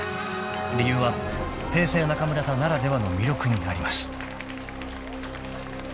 ［理由は平成中村座ならではの魅力にあります］